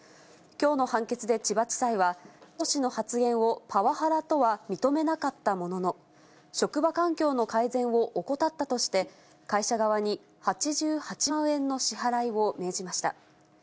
きょうの判決で千葉地裁は、上司の発言をパワハラとは認めなかったものの、職場環境の改善を怠ったとして、会社側に８８万円の支払いを命じました。